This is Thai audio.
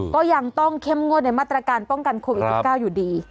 ก็ยังต้องเข้มงวดในมาตรการป้องกันโควิด๑๙อยู่ดี